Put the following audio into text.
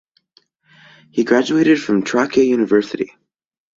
He graduated from Trakya University.